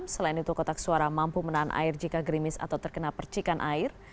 selain itu kotak suara mampu menahan air jika gerimis atau terkena percikan air